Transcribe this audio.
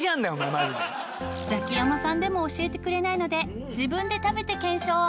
ザキヤマさんでも教えてくれないので自分で食べて検証。